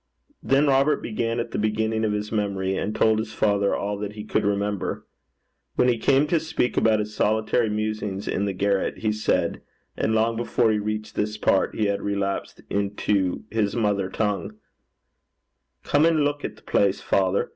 Then Robert began at the beginning of his memory, and told his father all that he could remember. When he came to speak about his solitary musings in the garret, he said and long before he reached this part, he had relapsed into his mother tongue: 'Come and luik at the place, father.